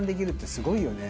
すごいよね。